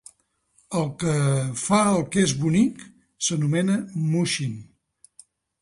El que "fa el que és bonic" s'anomena "muhsin".